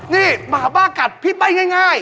นี่หมาบ้ากัดพี่ใบ้ง่าย